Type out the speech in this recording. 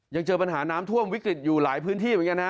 ยังเจอปัญหาน้ำท่วมวิกฤตอยู่หลายพื้นที่เหมือนกันนะฮะ